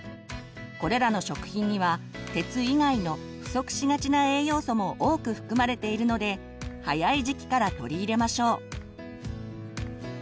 これらの食品には鉄以外の不足しがちな栄養素も多く含まれているので早い時期から取り入れましょう。